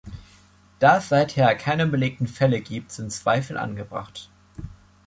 Da es seither keine belegten Fälle gibt, sind Zweifel angebracht.